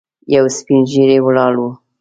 یو سپين ږيری ولاړ و.